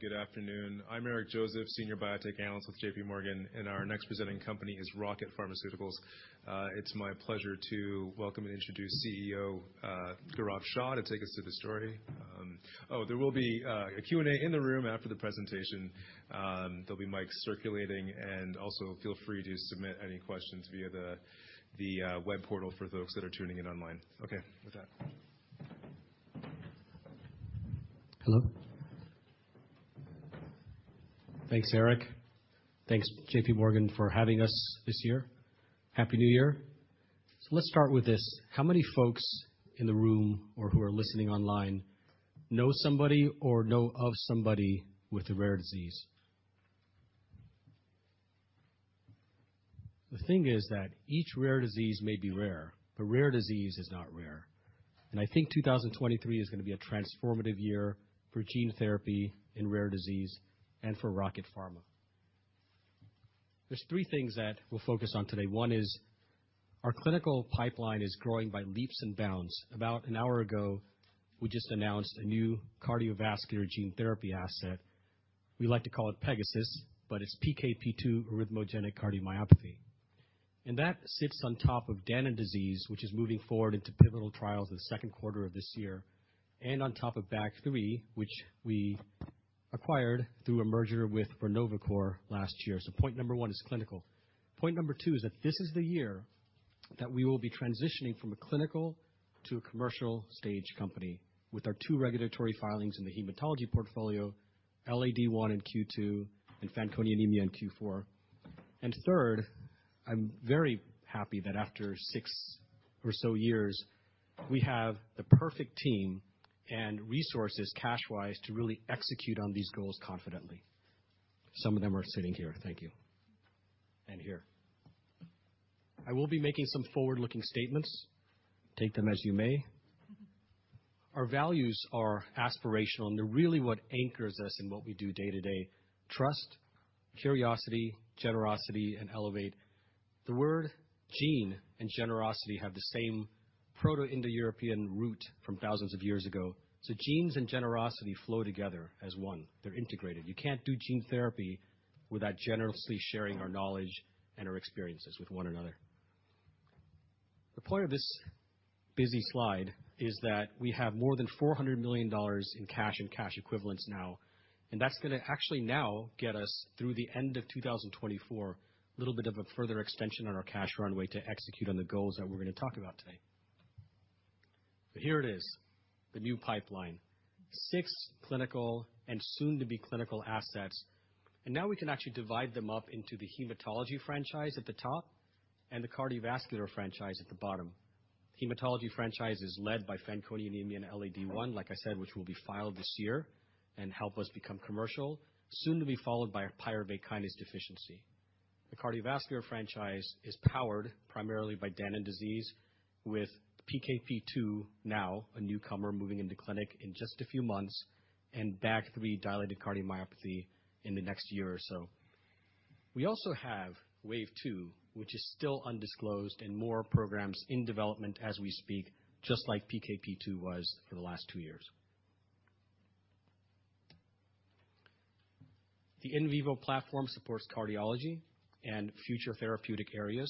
Good afternoon. I'm Eric Joseph, Senior Biotech Analyst with JPMorgan, and our next presenting company is Rocket Pharmaceuticals. It's my pleasure to welcome and introduce CEO Gaurav Shah to take us through the story. Oh, there will be a Q&A in the room after the presentation. There'll be mics circulating, and also feel free to submit any questions via the web portal for those that are tuning in online. With that. Hello. Thanks, Eric. Thanks JPMorgan for having us this year. Happy New Year. Let's start with this. How many folks in the room or who are listening online know somebody or know of somebody with a rare disease? The thing is that each rare disease may be rare, but rare disease is not rare. I think 2023 is gonna be a transformative year for gene therapy in rare disease and for Rocket Pharma. There's three things that we'll focus on today. One is, our clinical pipeline is growing by leaps and bounds. About an hour ago, we just announced a new cardiovascular gene therapy asset. We like to call it Pegasus, but it's PKP2 arrhythmogenic cardiomyopathy. That sits on top of Danon disease, which is moving forward into pivotal trials in the second quarter of this year. On top of BAG3, which we acquired through a merger with Renovacor last year. Point number one is clinical. Point number two is that this is the year that we will be transitioning from a clinical to a commercial stage company with our two regulatory filings in the hematology portfolio, LAD-I in Q2 and Fanconi Anemia in Q4. Third, I'm very happy that after six or so years, we have the perfect team and resources cash-wise to really execute on these goals confidently. Some of them are sitting here. Thank you. Here. I will be making some forward-looking statements. Take them as you may. Our values are aspirational, and they're really what anchors us in what we do day to day. Trust, curiosity, generosity, and elevate. The word gene and generosity have the same Proto-Indo-European root from thousands of years ago. Genes and generosity flow together as one. They're integrated. You can't do gene therapy without generously sharing our knowledge and our experiences with one another. The point of this busy slide is that we have more than $400 million in cash and cash equivalents now, and that's gonna actually now get us through the end of 2024, a little bit of a further extension on our cash runway to execute on the goals that we're gonna talk about today. Here it is, the new pipeline. Six clinical and soon-to-be clinical assets. Now we can actually divide them up into the hematology franchise at the top and the cardiovascular franchise at the bottom. Hematology franchise is led by Fanconi Anemia and LAD-I, like I said, which will be filed this year and help us become commercial. Soon to be followed by a pyruvate kinase deficiency. The cardiovascular franchise is powered primarily by Danon disease with PKP2 now a newcomer moving into clinic in just a few months and BAG3 dilated cardiomyopathy in the next year or so. We also have Wave 2, which is still undisclosed and more programs in development as we speak, just like PKP2 was for the last two years. The in vivo platform supports cardiology and future therapeutic areas,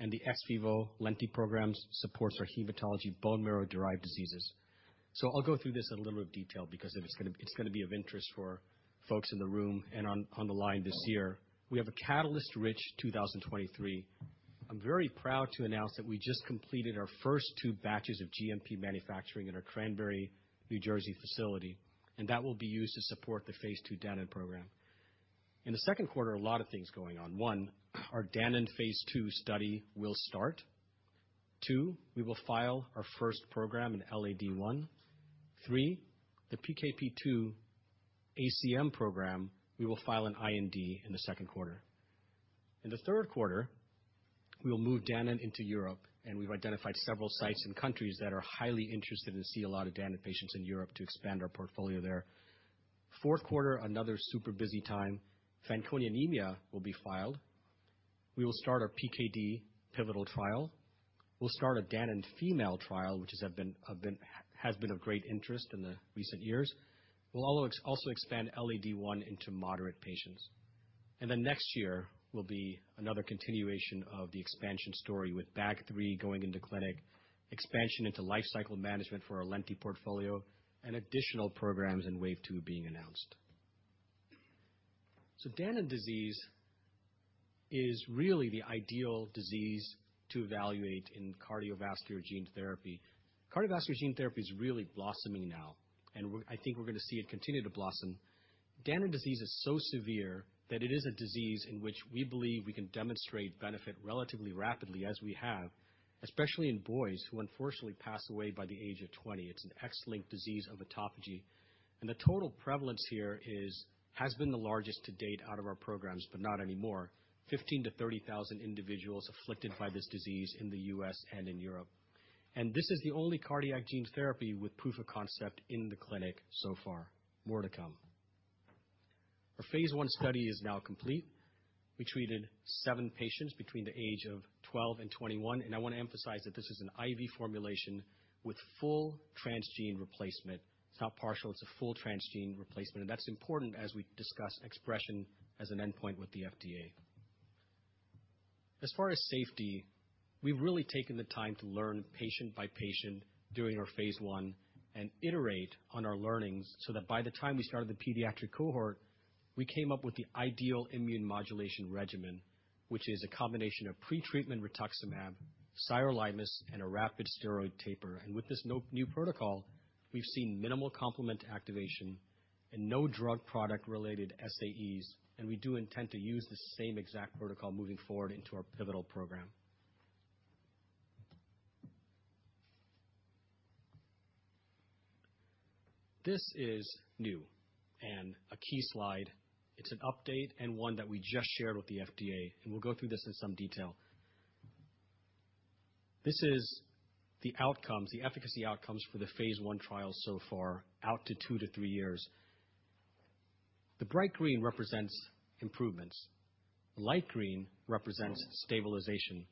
and the ex-vivo lenti programs supports our hematology bone marrow-derived diseases. I'll go through this in a little bit of detail because it's gonna be of interest for folks in the room and on the line this year. We have a catalyst rich 2023. I'm very proud to announce that we just completed our first two batches of GMP manufacturing in our Cranbury, New Jersey facility. That will be used to support the phase II Danon program. In the second quarter, a lot of things going on. One, our Danon phase II study will start. Two, we will file our first program in LAD-I. Three, the PKP2-ACM program, we will file an IND in the second quarter. In the third quarter, we'll move Danon into Europe. We've identified several sites and countries that are highly interested and see a lot of Danon patients in Europe to expand our portfolio there. Fourth quarter, another super busy time. Fanconi Anemia will be filed. We will start our PKD pivotal trial. We'll start a Danon female trial which has been of great interest in the recent years. We'll also expand LAD-I into moderate patients. Next year will be another continuation of the expansion story with BAG3 going into clinic, expansion into lifecycle management for our lenti portfolio, and additional programs in Wave 2 being announced. Danon disease is really the ideal disease to evaluate in cardiovascular gene therapy. Cardiovascular gene therapy is really blossoming now. I think we're gonna see it continue to blossom. Danon disease is so severe that it is a disease in which we believe we can demonstrate benefit relatively rapidly as we have, especially in boys who unfortunately pass away by the age of 20. It's an X-linked disease of autophagy. The total prevalence here has been the largest to date out of our programs, not anymore. 15,000-30,000 individuals afflicted by this disease in the U.S. and in Europe. This is the only cardiac gene therapy with proof of concept in the clinic so far. More to come. Our phase I study is now complete. We treated seven patients between the age of 12 and 21, and I wanna emphasize that this is an IV formulation with full transgene replacement. It's not partial, it's a full transgene replacement, and that's important as we discuss expression as an endpoint with the FDA. As far as safety, we've really taken the time to learn patient by patient during our phase I and iterate on our learnings so that by the time we started the pediatric cohort, we came up with the ideal immune modulation regimen, which is a combination of pretreatment rituximab, sirolimus, and a rapid steroid taper. With this new protocol, we've seen minimal complement activation and no drug product related SAEs. We do intend to use the same exact protocol moving forward into our pivotal program. This is new and a key slide. It's an update and one that we just shared with the FDA. We'll go through this in some detail. This is the outcomes, the efficacy outcomes for the phase I trial so far, out to two to three years. The bright green represents improvements. Light green represents stabilization.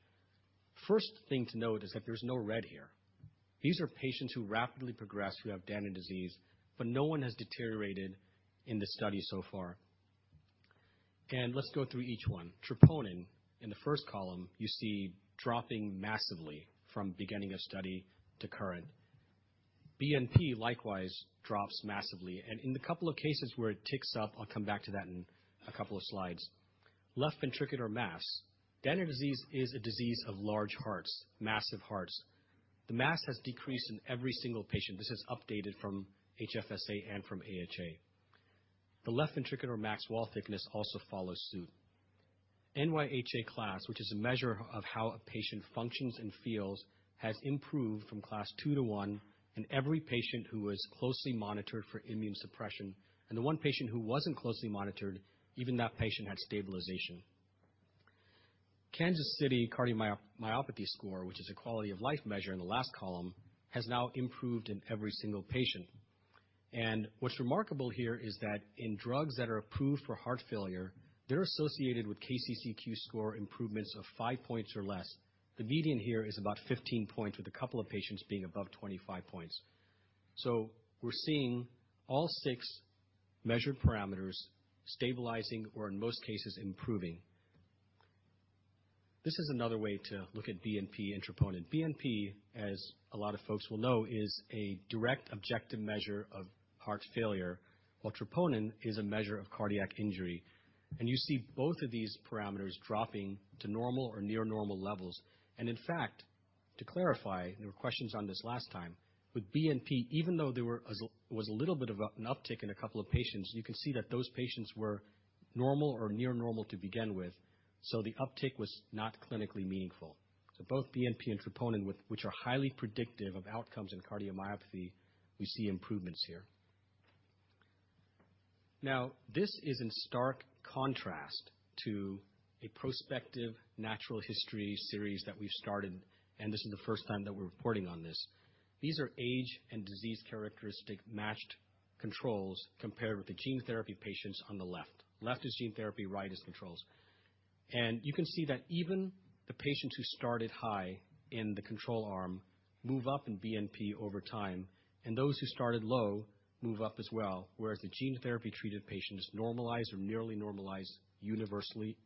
First thing to note is that there's no red here. These are patients who rapidly progress who have Danon disease, but no one has deteriorated in the study so far. Let's go through each one. Troponin, in the first column, you see dropping massively from beginning of study to current. BNP likewise drops massively. In the couple cases where it ticks up, I'll come back to that in a couple of slides. Left ventricular mass. Danon disease is a disease of large hearts, massive hearts. The mass has decreased in every single patient. This is updated from HFSA and from AHA. The left ventricular max wall thickness also follows suit. NYHA class, which is a measure of how a patient functions and feels, has improved from Class II to I in every patient who was closely monitored for immune suppression. The one patient who wasn't closely monitored, even that patient had stabilization. Kansas City Cardiomyopathy score, which is a quality-of-life measure in the last column, has now improved in every single patient. What's remarkable here is that in drugs that are approved for heart failure, they're associated with KCCQ score improvements of 5 points or less. The median here is about 15 points with a couple of patients being above 25 points. We're seeing all six measured parameters stabilizing or in most cases, improving. This is another way to look at BNP and troponin. BNP, as a lot of folks will know, is a direct objective measure of heart failure, while troponin is a measure of cardiac injury. You see both of these parameters dropping to normal or near normal levels. In fact, to clarify, there was a little bit of an uptick in a couple of patients, you can see that those patients were normal or near normal to begin with, so the uptick was not clinically meaningful. Both BNP and troponin which are highly predictive of outcomes in cardiomyopathy, we see improvements here. This is in stark contrast to a prospective natural history series that we've started, and this is the first time that we're reporting on this. These are age and disease characteristic matched controls compared with the gene therapy patients on the left. Left is gene therapy, right is controls. You can see that even the patients who started high in the control arm move up in BNP over time, and those who started low move up as well, whereas the gene therapy-treated patients normalize or nearly normalize universally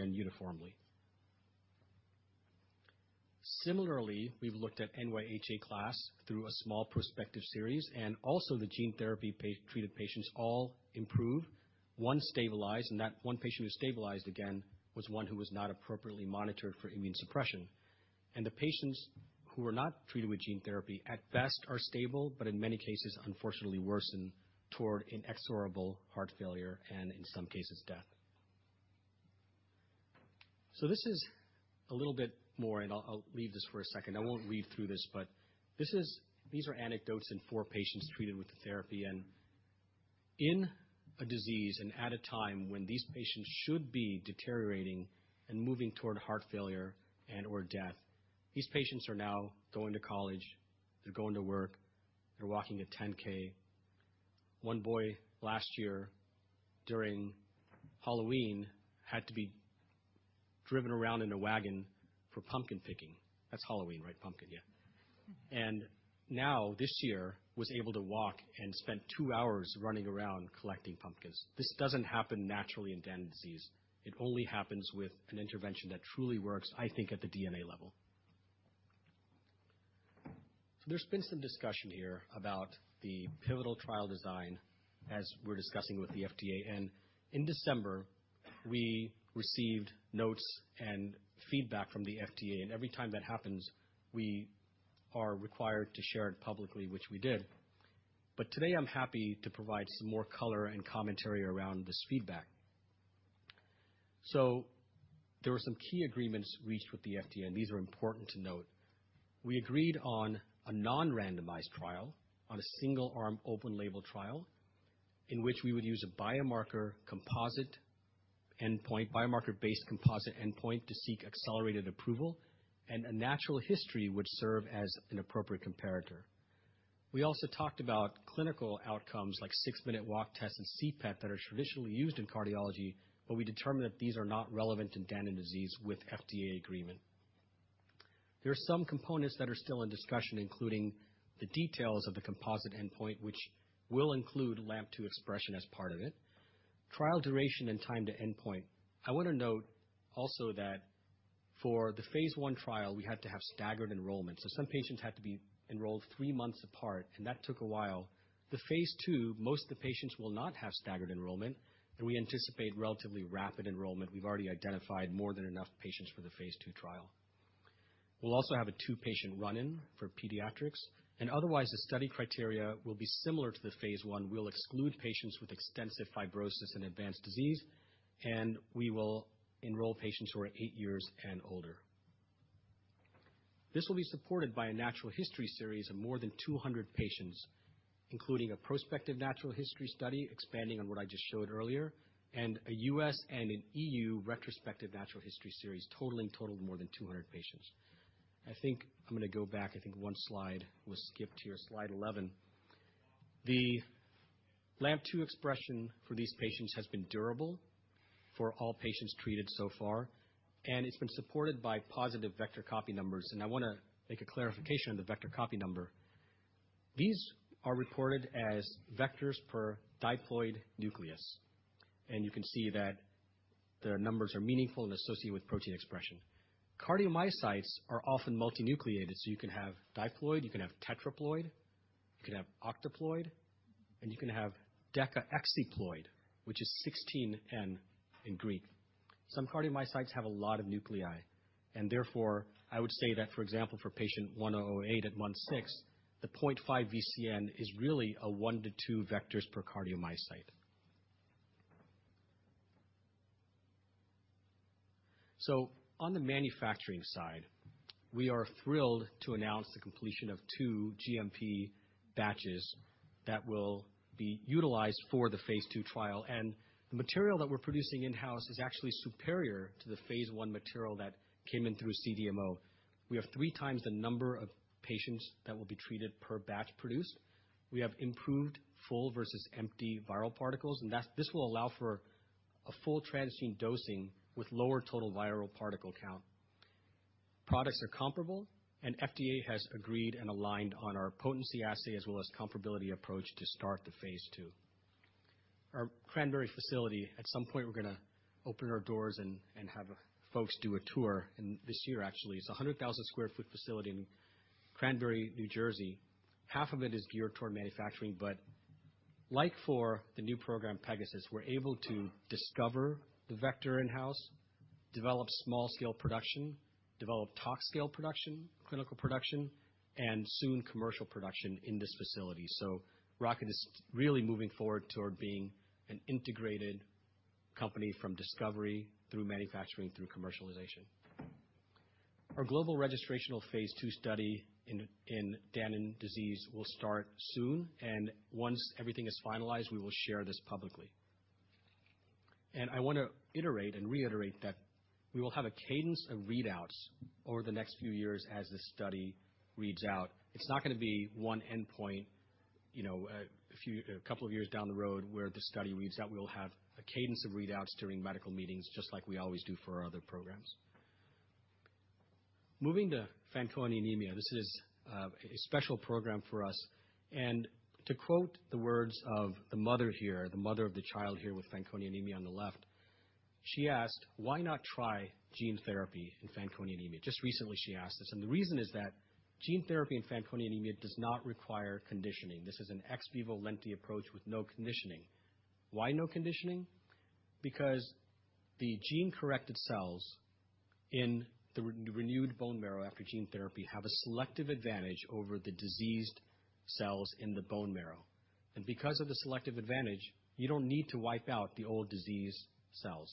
and uniformly. Similarly, we've looked at NYHA class through a small prospective series, also the gene therapy treated patients all improve. One stabilized, that one patient who stabilized again was one who was not appropriately monitored for immune suppression. The patients who were not treated with gene therapy at best are stable, but in many cases, unfortunately worsen toward inexorable heart failure and in some cases, death. This is a little bit more, and I'll leave this for a second. I won't read through this, but this is. These are anecdotes in four patients treated with the therapy. In a disease and at a time when these patients should be deteriorating and moving toward heart failure and/or death, these patients are now going to college, they're going to work. They're walking a 10K. One boy last year during Halloween had to be driven around in a wagon for pumpkin picking. That's Halloween, right? Pumpkin, yeah. Now this year, was able to walk and spent two hours running around collecting pumpkins. This doesn't happen naturally in Danon disease. It only happens with an intervention that truly works, I think, at the DNA level. There's been some discussion here about the pivotal trial design as we're discussing with the FDA. In December, we received notes and feedback from the FDA, and every time that happens, we are required to share it publicly, which we did. Today, I'm happy to provide some more color and commentary around this feedback. There were some key agreements reached with the FDA, and these are important to note. We agreed on a non-randomized trial on a single arm open label trial, in which we would use a biomarker-based composite endpoint to seek accelerated approval and a natural history which serve as an appropriate comparator. We also talked about clinical outcomes like six-minute walk test and CPET that are traditionally used in cardiology, but we determined that these are not relevant in Danon disease with FDA agreement. There are some components that are still in discussion, including the details of the composite endpoint, which will include LAMP2 expression as part of it. Trial duration and time to endpoint. I want to note also that for the phase I trial, we had to have staggered enrollment. Some patients had to be enrolled three months apart, and that took a while. The phase II, most of the patients will not have staggered enrollment, and we anticipate relatively rapid enrollment. We've already identified more than enough patients for the phase II trial. We'll also have a two-patient run-in for pediatrics, and otherwise, the study criteria will be similar to the phase I. We'll exclude patients with extensive fibrosis and advanced disease. We will enroll patients who are eight years and older. This will be supported by a natural history series of more than 200 patients, including a prospective natural history study expanding on what I just showed earlier, and a U.S. and an E.U. retrospective natural history series totaling more than 200 patients. I think I'm gonna go back. I think one slide was skipped here, slide 11. The LAMP2 expression for these patients has been durable for all patients treated so far. It's been supported by positive vector copy numbers. I wanna make a clarification on the vector copy number. These are reported as vectors per diploid nucleus. You can see that their numbers are meaningful and associated with protein expression. Cardiomyocytes are often multinucleated, so you can have diploid, you can have tetraploid, you can have octoploid, and you can have hexadecaploid, which is 16N in Greek. Some cardiomyocytes have a lot of nuclei, and therefore, I would say that, for example, for patient 108 at 16 years old, the 0.5 VCN is really a one to two vectors per cardiomyocyte. On the manufacturing side, we are thrilled to announce the completion of two GMP batches that will be utilized for the phase II trial. The material that we're producing in-house is actually superior to the phase I material that came in through CDMO. We have 3x the number of patients that will be treated per batch produced. We have improved full versus empty viral particles, this will allow for a full transgene dosing with lower total viral particle count. Products are comparable. FDA has agreed and aligned on our potency assay as well as comparability approach to start the phase II. Our Cranbury facility, at some point, we're going to open our doors and have folks do a tour, and this year, actually. It's a 100,000 sq ft facility in Cranbury, New Jersey. Half of it is geared toward manufacturing, but like for the new program, Pegasus, we're able to discover the vector in-house, develop small-scale production, develop tox scale production, clinical production, and soon commercial production in this facility. Rocket is really moving forward toward being an integrated company from discovery through manufacturing through commercialization. Our global registrational phase II study in Danon disease will start soon. Once everything is finalized, we will share this publicly. I wanna iterate and reiterate that we will have a cadence of readouts over the next few years as this study reads out. It's not gonna be one endpoint, you know, a few, a couple of years down the road where the study reads out. We'll have a cadence of readouts during medical meetings, just like we always do for our other programs. Moving to Fanconi Anemia, this is a special program for us. To quote the words of the mother here, the mother of the child here with Fanconi Anemia on the left, she asked, "Why not try gene therapy in Fanconi Anemia?" Just recently, she asked this. The reason is that gene therapy in Fanconi Anemia does not require conditioning. This is an ex-vivo lenti approach with no conditioning. Why no conditioning? The gene-corrected cells in the re-renewed bone marrow after gene therapy have a selective advantage over the diseased cells in the bone marrow. Because of the selective advantage, you don't need to wipe out the old disease cells,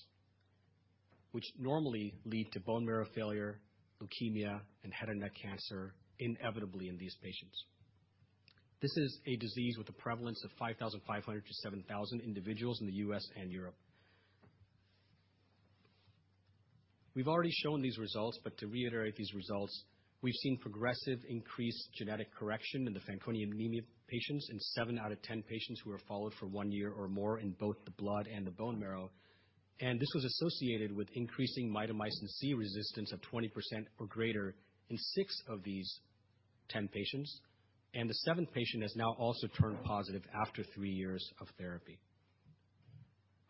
which normally lead to bone marrow failure, leukemia, and head and neck cancer inevitably in these patients. This is a disease with a prevalence of 5,500-7,000 individuals in the U.S. and Europe. We've already shown these results, but to reiterate these results, we've seen progressive increased genetic correction in the Fanconi Anemia patients in seven out of 10 patients who were followed for one year or more in both the blood and the bone marrow. This was associated with increasing mitomycin C resistance of 20% or greater in six of these 10 patients. The seventh patient has now also turned positive after three years of therapy.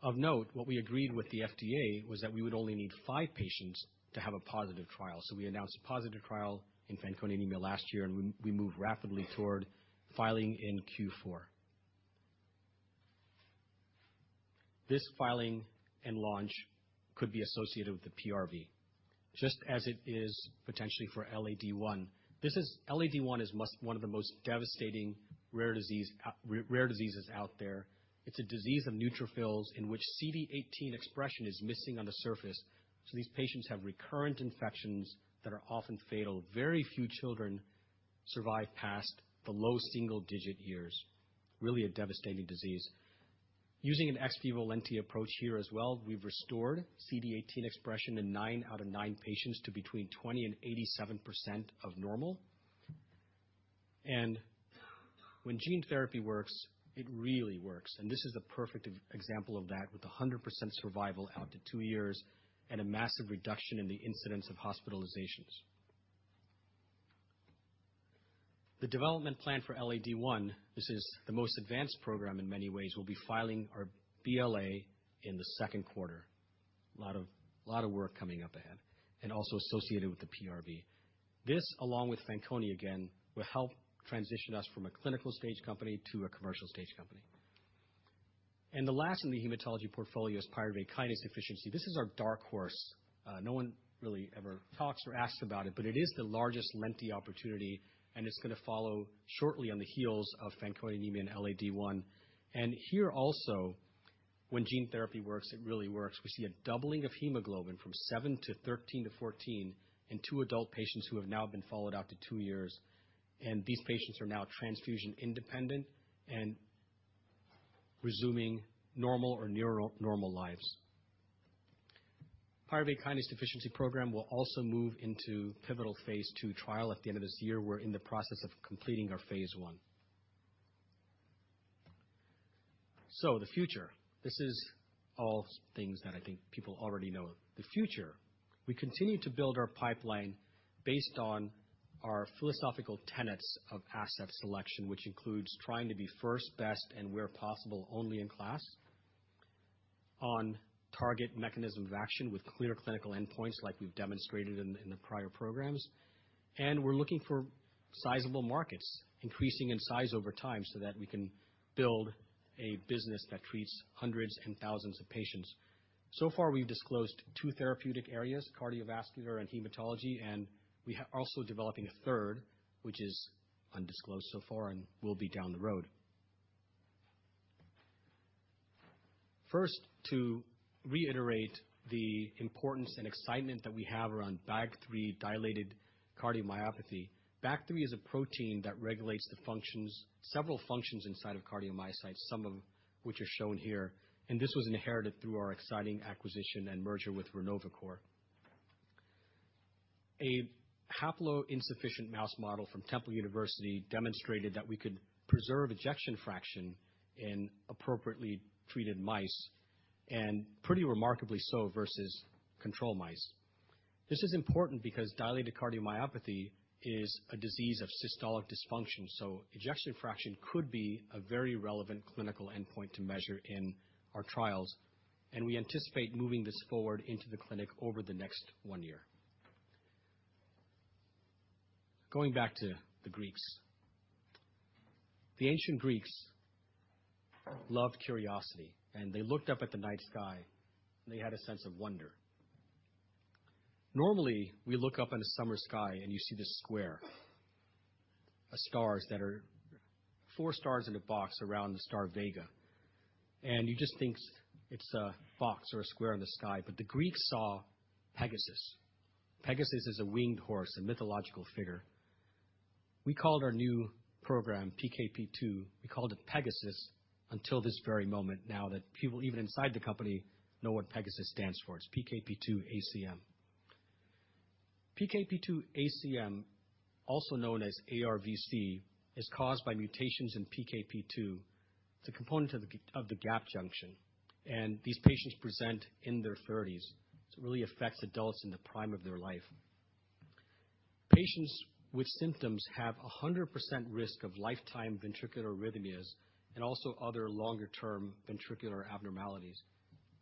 Of note, what we agreed with the FDA was that we would only need five patients to have a positive trial. We announced a positive trial in Fanconi Anemia last year, and we moved rapidly toward filing in Q4. This filing and launch could be associated with the PRV, just as it is potentially for LAD-I. LAD-I is one of the most devastating rare disease out there. It's a disease of neutrophils in which CD18 expression is missing on the surface, so these patients have recurrent infections that are often fatal. Very few children survive past the low single-digit years. Really a devastating disease. Using an ex-vivo lenti approach here as well, we've restored CD18 expression in nine out of nine patients to between 20% and 87% of normal. When gene therapy works, it really works, and this is a perfect example of that with 100% survival out to two years and a massive reduction in the incidence of hospitalizations. The development plan for LAD-I, this is the most advanced program in many ways. We'll be filing our BLA in the second quarter. Lot of work coming up ahead and also associated with the PRV. This, along with Fanconi again, will help transition us from a clinical stage company to a commercial stage company. The last in the hematology portfolio is pyruvate kinase deficiency. This is our dark horse. No one really ever talks or asks about it, but it is the largest lenti opportunity, and it's gonna follow shortly on the heels of Fanconi Anemia and LAD-I. Here also, when gene therapy works, it really works. We see a doubling of hemoglobin from 7 g/dL to 13 g/dL to 14 g/dL in two adult patients who have now been followed out to two years. These patients are now transfusion-independent and resuming normal or near normal lives. Pyruvate kinase deficiency program will also move into pivotal phase II trial at the end of this year. We're in the process of completing our phase I. The future, this is all things that I think people already know. The future, we continue to build our pipeline based on our philosophical tenets of asset selection, which includes trying to be first, best, and where possible, only in class. On target mechanism of action with clear clinical endpoints like we've demonstrated in the prior programs. We're looking for sizable markets, increasing in size over time so that we can build a business that treats hundreds and thousands of patients. We've disclosed two therapeutic areas, cardiovascular and hematology. We are also developing a third, which is undisclosed so far and will be down the road. To reiterate the importance and excitement that we have around BAG3 dilated cardiomyopathy. BAG3 is a protein that regulates the functions, several functions inside of cardiomyocytes, some of which are shown here. This was inherited through our exciting acquisition and merger with Renovacor. A haploinsufficient mouse model from Temple University demonstrated that we could preserve ejection fraction in appropriately treated mice, and pretty remarkably so versus control mice. This is important because dilated cardiomyopathy is a disease of systolic dysfunction. Ejection fraction could be a very relevant clinical endpoint to measure in our trials, and we anticipate moving this forward into the clinic over the next one year. Going back to the Greeks. The ancient Greeks loved curiosity. They looked up at the night sky, and they had a sense of wonder. Normally, we look up in a summer sky. You see this square of stars that are four stars in a box around the star Vega. You just think it's a box or a square in the sky. The Greeks saw Pegasus. Pegasus is a winged horse, a mythological figure. We called our new program PKP2. We called it Pegasus until this very moment, now that people even inside the company know what Pegasus stands for. It's PKP2-ACM. PKP2-ACM, also known as ARVC, is caused by mutations in PKP2. It's a component of the gap junction, and these patients present in their 30s. It really affects adults in the prime of their life. Patients with symptoms have 100% risk of lifetime ventricular arrhythmias and also other longer-term ventricular abnormalities.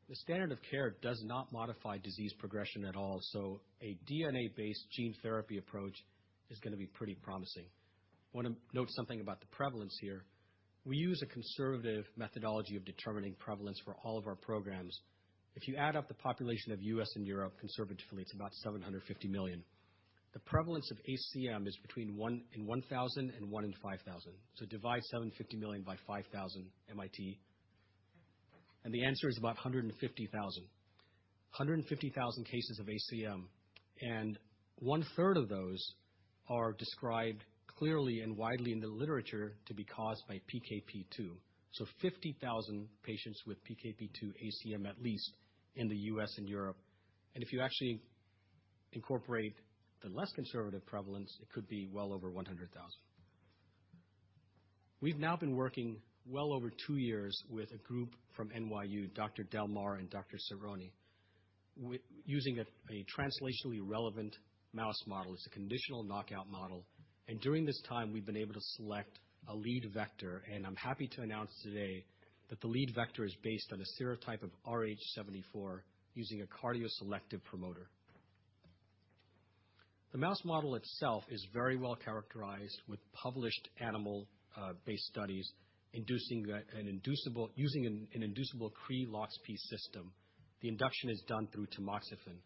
The standard of care does not modify disease progression at all, so a DNA-based gene therapy approach is gonna be pretty promising. Wanna note something about the prevalence here. We use a conservative methodology of determining prevalence for all of our programs. If you add up the population of U.S. and Europe conservatively, it's about 750 million. The prevalence of ACM is between 1 in 1,000 and 1 in 5,000. Divide 750 million by 5,000, MIT, the answer is about 150,000. 150,000 cases of ACM. One-third of those are described clearly and widely in the literature to be caused by PKP2. 50,000 patients with PKP2-ACM, at least in the U.S. and Europe. If you actually incorporate the less conservative prevalence, it could be well over 100,000. We've now been working well over two years with a group from NYU, Dr. Delmar and Dr. Cerrone, using a translationally relevant mouse model. It's a conditional knockout model. During this time, we've been able to select a lead vector. I'm happy to announce today that the lead vector is based on a serotype of rh74 using a cardioselective promoter. The mouse model itself is very well characterized with published animal based studies inducing an inducible Cre-loxP system. The induction is done through tamoxifen.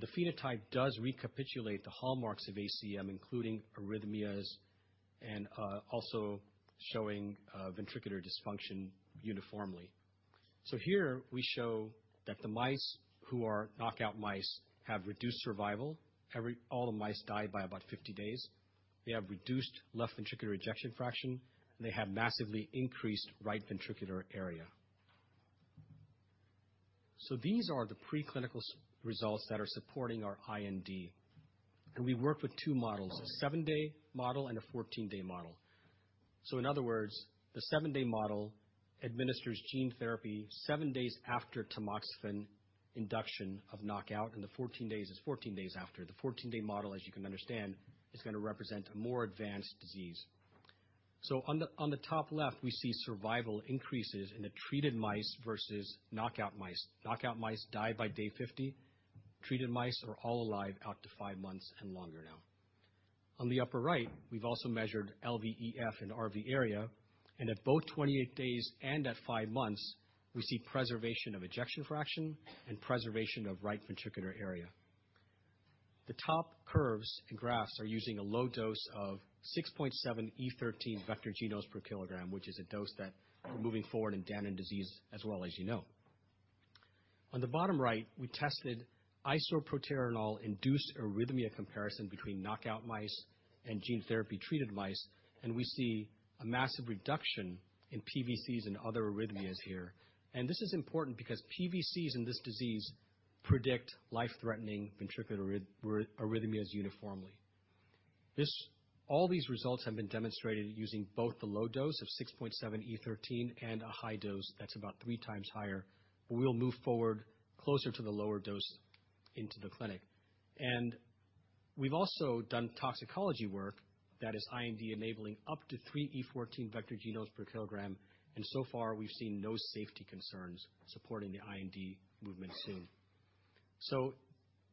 The phenotype does recapitulate the hallmarks of ACM, including arrhythmias and also showing ventricular dysfunction uniformly. Here we show that the mice who are knockout mice have reduced survival. All the mice die by about 50 days. They have reduced left ventricular ejection fraction, and they have massively increased right ventricular area. These are the preclinical results that are supporting our IND. We work with two models, a seven-day model and a 14-day model. In other words, the seven-day model administers gene therapy seven days after tamoxifen induction of knockout, and the 14-day is 14 days after. The 14-day model, as you can understand, is gonna represent a more advanced disease. On the top left, we see survival increases in the treated mice versus knockout mice. Knockout mice die by Day 50. Treated mice are all alive out to five months and longer now. On the upper right, we've also measured LVEF and RV area, and at both 28 days and at five months, we see preservation of ejection fraction and preservation of right ventricular area. The top curves and graphs are using a low dose of 6.7e13 vg/kg, which is a dose that we're moving forward in Danon disease as well, as you know. On the bottom right, we tested isoproterenol-induced arrhythmia comparison between knockout mice and gene therapy-treated mice, and we see a massive reduction in PVCs and other arrhythmias here. This is important because PVCs in this disease predict life-threatening ventricular arrhythmias uniformly. All these results have been demonstrated using both the low dose of 6.7e13 vg/kg and a high dose that's about 3x higher. We'll move forward closer to the lower dose into the clinic. We've also done toxicology work that is IND-enabling up to 3e14 vg/kg, and so far we've seen no safety concerns supporting the IND movement soon.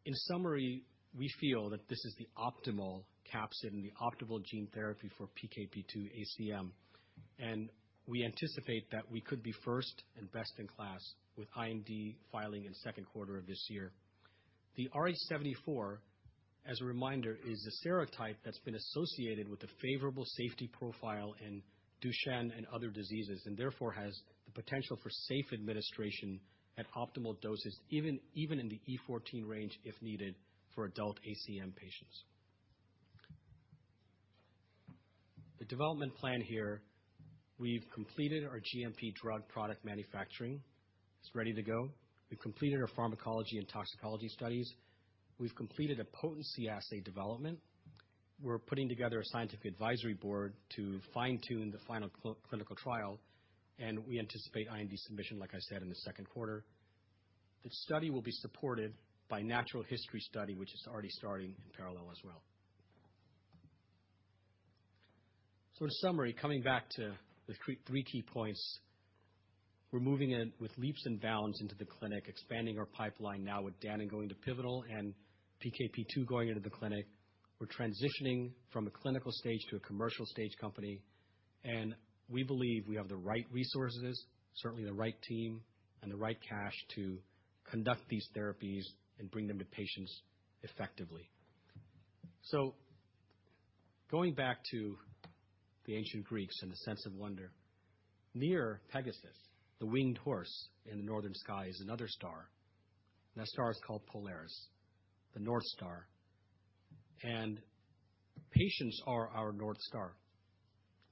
In summary, we feel that this is the optimal capsid and the optimal gene therapy for PKP2-ACM, and we anticipate that we could be first and best in class with IND filing in second quarter of this year. The rh74, as a reminder, is a serotype that's been associated with a favorable safety profile in Duchenne and other diseases, and therefore has the potential for safe administration at optimal doses, even in the e14 range if needed for adult ACM patients. The development plan here, we've completed our GMP drug product manufacturing. It's ready to go. We've completed our pharmacology and toxicology studies. We've completed a potency assay development. We're putting together a scientific advisory board to fine-tune the final clinical trial, and we anticipate IND submission, like I said, in the second quarter. The study will be supported by natural history study, which is already starting in parallel as well. In summary, coming back to the three key points, we're moving in with leaps and bounds into the clinic, expanding our pipeline now with Danon going to pivotal and PKP2 going into the clinic. We're transitioning from a clinical stage to a commercial stage company, and we believe we have the right resources, certainly the right team, and the right cash to conduct these therapies and bring them to patients effectively. Going back to the ancient Greeks and the sense of wonder near Pegasus, the winged horse in the northern sky is another star, and that star is called Polaris, the North Star. Patients are our North Star.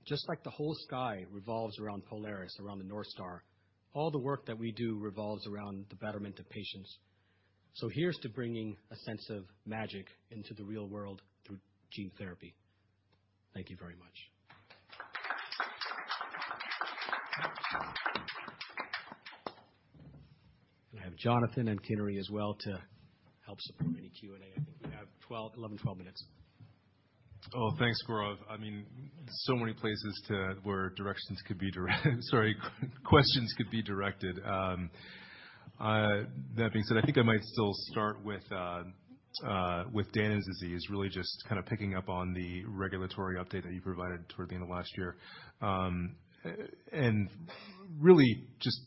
Just like the whole sky revolves around Polaris, around the North Star, all the work that we do revolves around the betterment of patients. Here's to bringing a sense of magic into the real world through gene therapy. Thank you very much. I have Jonathan and Kinnari as well to help support any Q&A. I think we have 12, 11, 12 minutes. Oh, thanks, Gaurav. I mean, so many places to, where directions could be... Sorry, questions could be directed. That being said, I think I might still start with Danon disease, really just kind of picking up on the regulatory update that you provided toward the end of last year. Really just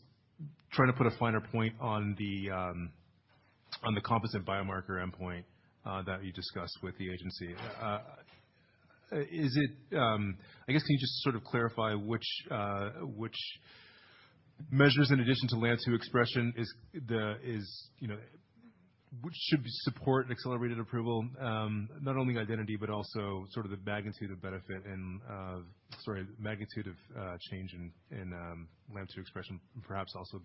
trying to put a finer point on the composite biomarker endpoint that you discussed with the agency. Is it... I guess, can you just sort of clarify which measures in addition to LAMP2 expression is, you know, which should support accelerated approval, not only identity, but also sort of the magnitude of benefit and... Sorry, the magnitude of change in LAMP2 expression and perhaps also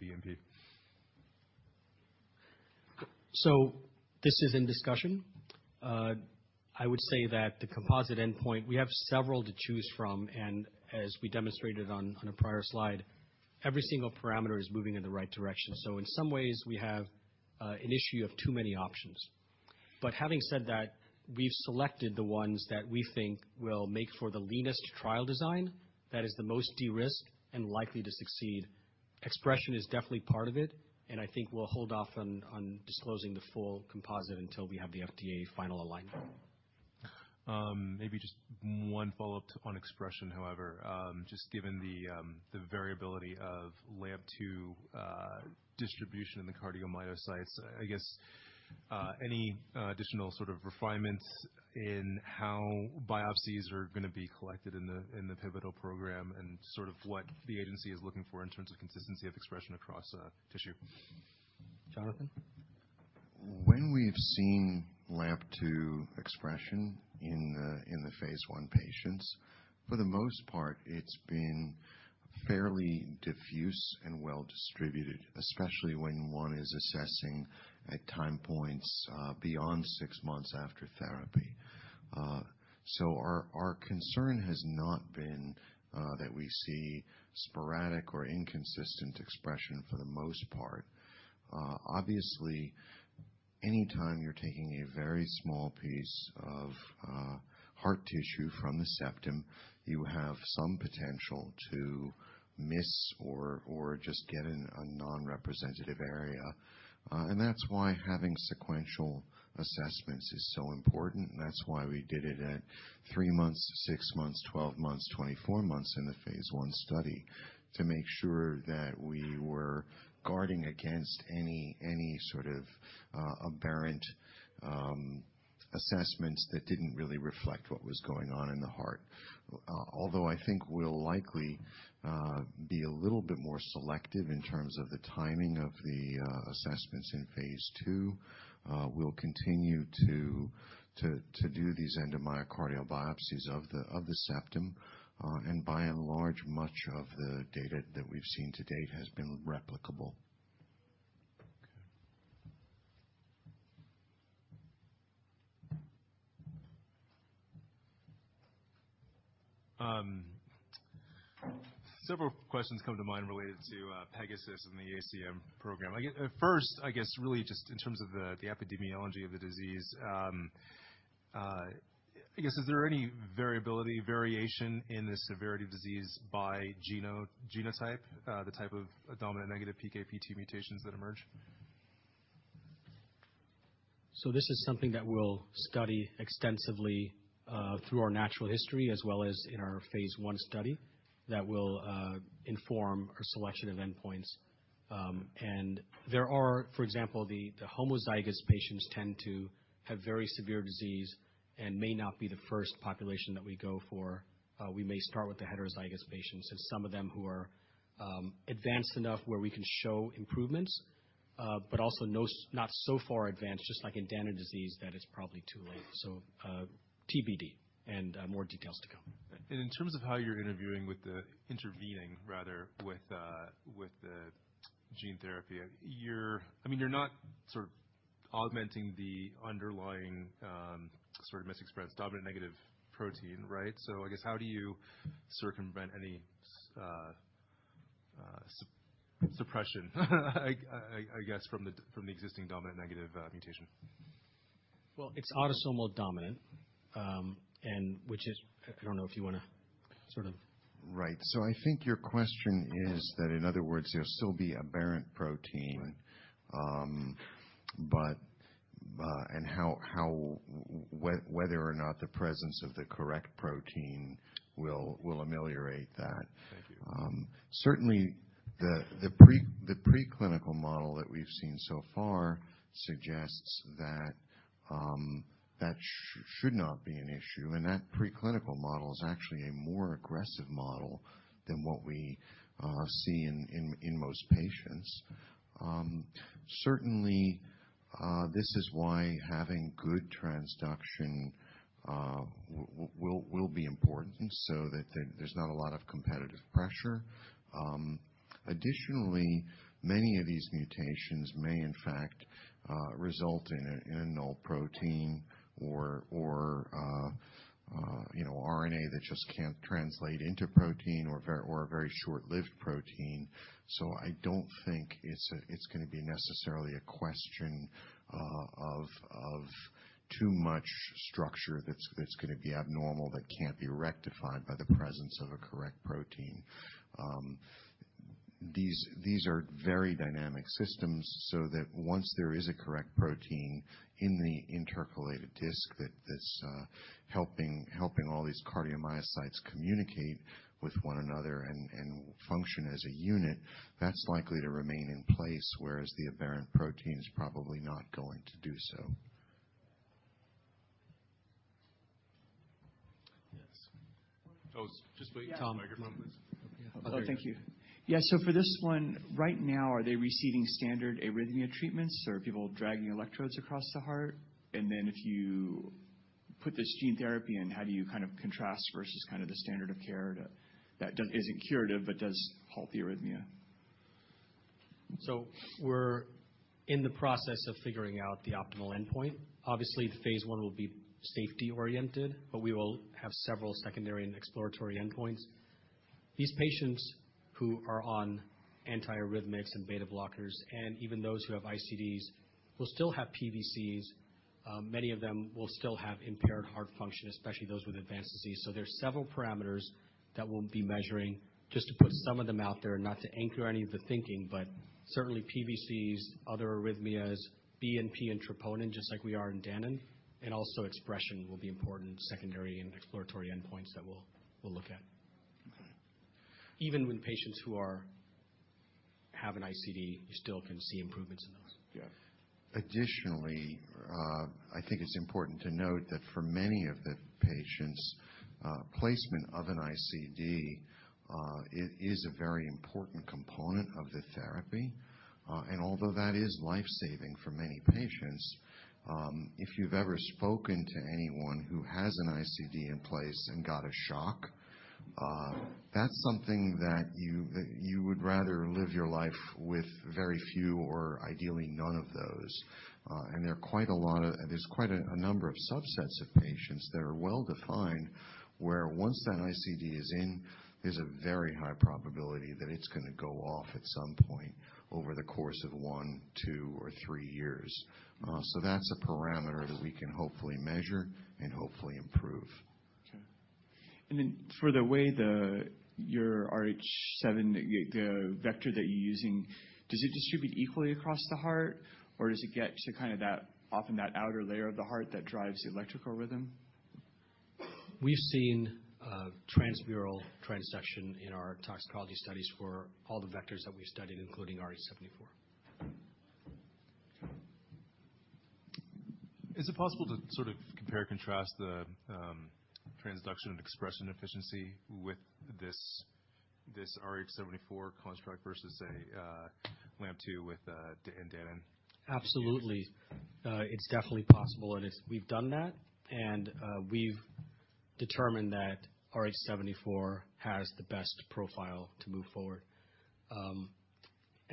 BNP? This is in discussion. I would say that the composite endpoint, we have several to choose from, and as we demonstrated on a prior slide, every single parameter is moving in the right direction. In some ways, we have an issue of too many options. Having said that, we've selected the ones that we think will make for the leanest trial design that is the most de-risked and likely to succeed. Expression is definitely part of it, and I think we'll hold off on disclosing the full composite until we have the FDA final alignment. Maybe just one follow-up on expression, however. Just given the variability of LAMP2 distribution in the cardiomyocytes, I guess, any additional sort of refinements in how biopsies are gonna be collected in the, in the pivotal program and sort of what the agency is looking for in terms of consistency of expression across tissue? Jonathan? When we've seen LAMP2 expression in the, in the phase I patients, for the most part it's been fairly diffuse and well distributed, especially when one is assessing at time points beyond six months after therapy. Our concern has not been that we see sporadic or inconsistent expression for the most part. Anytime you're taking a very small piece of heart tissue from the septum, you have some potential to miss or just get in a non-representative area. That's why having sequential assessments is so important. That's why we did it at three months, six months, 12 months, 24 months in the phase I study. To make sure that we were guarding against any sort of aberrant assessments that didn't really reflect what was going on in the heart. Although I think we'll likely be a little bit more selective in terms of the timing of the assessments in phase II. We'll continue to do these endomyocardial biopsies of the septum. By and large, much of the data that we've seen to date has been replicable. Several questions come to mind related to Pegasus and the ACM program. At first, I guess really just in terms of the epidemiology of the disease, I guess, is there any variability, variation in the severity of disease by genotype. The type of dominant negative PKP2 mutations that emerge? This is something that we'll study extensively through our natural history as well as in our phase I study that will inform our selection of endpoints. There are... for example, the homozygous patients tend to have very severe disease and may not be the first population that we go for. We may start with the heterozygous patients and some of them who are advanced enough where we can show improvements, but also not so far advanced, just like in Danon disease, that it's probably too late. TBD and more details to come. In terms of how you're intervening rather with the gene therapy, I mean, you're not sort of augmenting the underlying, sort of misexpressed dominant negative protein, right? I guess, how do you circumvent any suppression I guess, from the existing dominant negative mutation? Well, it's autosomal dominant. I don't know if you wanna sort of. Right. I think your question is that in other words, there'll still be aberrant protein. How, whether or not the presence of the correct protein will ameliorate that? Thank you. Certainly, the preclinical model that we've seen so far suggests that should not be an issue. That preclinical model is actually a more aggressive model than what we see in most patients. Certainly, this is why having good transduction will be important so that there's not a lot of competitive pressure. Additionally, many of these mutations may in fact result in a null protein or, you know, RNA that just can't translate into protein or a very short-lived protein. I don't think it's gonna be necessarily a question of too much structure that's gonna be abnormal, that can't be rectified by the presence of a correct protein. These are very dynamic systems, so that once there is a correct protein in the intercalated disc that's helping all these cardiomyocytes communicate with one another and function as a unit, that's likely to remain in place, whereas the aberrant protein is probably not going to do so. Yes. Oh, just wait. Tom, microphone, please. Oh, thank you. Yeah. For this one, right now, are they receiving standard arrhythmia treatments? Are people dragging electrodes across the heart? If you put this gene therapy in, how do you kind of contrast versus kind of the standard of care that isn't curative but does halt the arrhythmia? We're in the process of figuring out the optimal endpoint. Obviously, the phase I will be safety oriented, but we will have several secondary and exploratory endpoints. These patients who are on antiarrhythmics and beta blockers, and even those who have ICDs, will still have PVCs. Many of them will still have impaired heart function, especially those with advanced disease. There's several parameters that we'll be measuring just to put some of them out there, not to anchor any of the thinking. Certainly PVCs, other arrhythmias, BNP and troponin, just like we are in Danon, and also expression will be important secondary and exploratory endpoints that we'll look at. Okay. Even when patients have an ICD, you still can see improvements in those. Yeah. Additionally, I think it's important to note that for many of the patients, placement of an ICD, it is a very important component of the therapy. Although that is life-saving for many patients, if you've ever spoken to anyone who has an ICD in place and got a shock, that's something that you would rather live your life with very few or ideally none of those. There's quite a number of subsets of patients that are well-defined, where once that ICD is in, there's a very high probability that it's gonna go off at some point over the course of one, two or three years. So that's a parameter that we can hopefully measure and hopefully improve. Okay. Then for the way your rh74 vector that you're using, does it distribute equally across the heart? Or does it get to kind of that, often that outer layer of the heart that drives the electrical rhythm? We've seen transmural transduction in our toxicology studies for all the vectors that we studied, including rh74. Is it possible to sort of compare and contrast the transduction expression efficiency with this rh74 construct versus a LAMP2 with Danon? Absolutely. It's definitely possible, and we've done that. We've determined that rh74 has the best profile to move forward.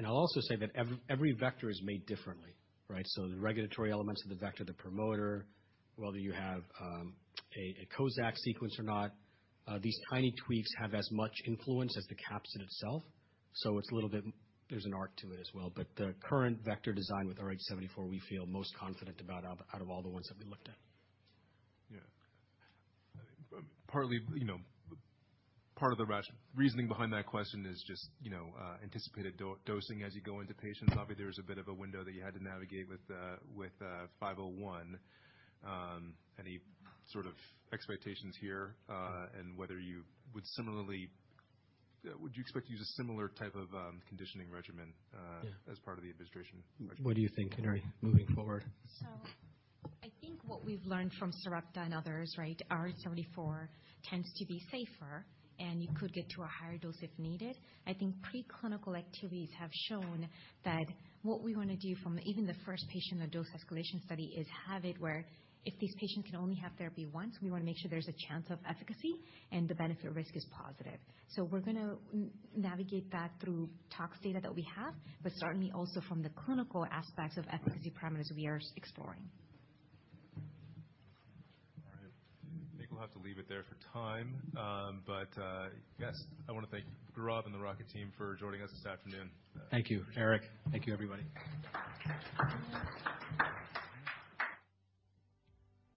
I'll also say that every vector is made differently, right? The regulatory elements of the vector, the promoter, whether you have a Kozak sequence or not, these tiny tweaks have as much influence as the capsid itself. It's a little bit. There's an art to it as well. But the current vector design with rh74 we feel most confident about out of all the ones that we looked at. Yeah. Partly, you know, part of the reasoning behind that question is just, you know, anticipated dosing as you go into patients. Obviously, there was a bit of a window that you had to navigate with 501. Any sort of expectations here, and would you expect to use a similar type of conditioning regimen- Yeah.... as part of the administration regimen? What do you think, Kinnari, moving forward? I think what we've learned from Sarepta and others, right, rh74 tends to be safer, and you could get to a higher dose if needed. I think preclinical activities have shown that what we wanna do from even the first patient or dose escalation study is have it where if these patients can only have therapy once, we wanna make sure there's a chance of efficacy and the benefit risk is positive. We're gonna navigate that through tox data that we have, but certainly also from the clinical aspects of efficacy parameters we are exploring. All right. I think we'll have to leave it there for time. Yes, I wanna thank Gaurav and the Rocket team for joining us this afternoon. Thank you, Eric. Thank you, everybody.